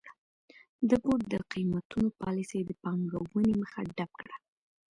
د بورډ د قېمتونو پالیسۍ د پانګونې مخه ډپ کړه.